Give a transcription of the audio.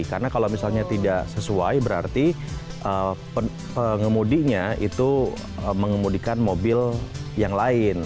karena kalau misalnya tidak sesuai berarti pengemudinya itu mengemudikan mobil yang lain